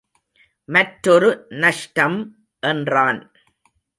மற்றொரு நஷ்டம் என்றான்.